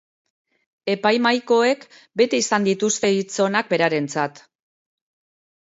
Epaimahaikoek beti izan dituzte hitz onak berarentzat.